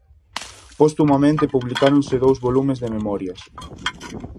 Postumamente publicáronse dous volumes de "Memorias".